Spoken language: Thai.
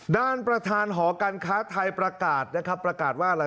ด้านประธานหอการค้าไทยประกาศนะครับประกาศว่าอะไร